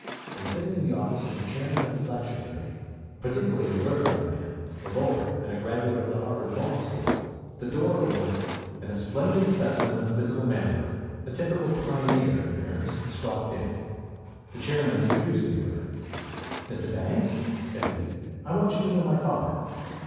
When sitting in the office of the chairman of the lecture committee, a particularly alert young man, a lawyer, and a graduate of the Harvard Law School, the door opened, and a splendid specimen of physical manhood, a typical pioneer in appearance, stalked in. The chairman introduced me to him. "Mr. Bangs," said he, "I want you to know my father."